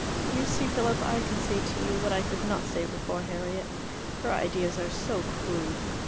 You see, Philip, I can say to you what I could not say before Harriet. Her ideas are so crude.